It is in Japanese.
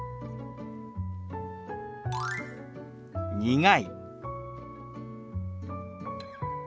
「苦い」。